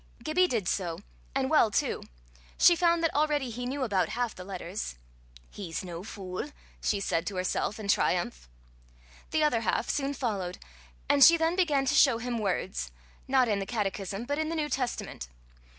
Gibbie did so, and well too: she found that already he knew about half the letters. "He's no fule!" she said to herself in triumph. The other half soon followed; and she then began to show him words not in the Catechism, but in the New Testament.